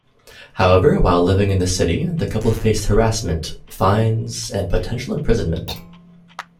However, while living in the city the couple faced harassment, fines and potential imprisonment.